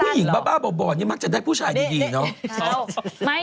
บ้าบ่อนี่มักจะได้ผู้ชายดีเนาะ